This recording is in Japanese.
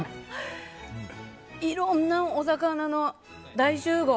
いろんなお魚の大集合！